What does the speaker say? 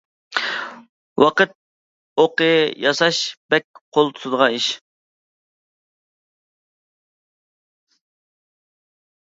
ۋاقىت ئوقى ياساش بەك قول تۇتىدىغان ئىش.